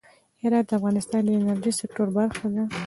هرات د افغانستان د انرژۍ سکتور برخه ده.